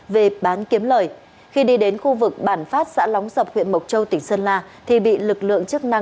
về bán kiếm lời khi đi đến khu vực bản phát xã lóng sập huyện mộc châu tỉnh sơn la thì bị lực lượng chức năng